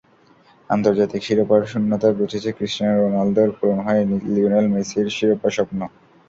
আন্তর্জাতিক শিরোপার শূন্যতা ঘুচেছে ক্রিস্টিয়ানো রোনালদোর, পূরণ হয়নি লিওনেল মেসির শিরোপাস্বপ্ন।